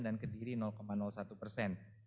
dan kediri satu persen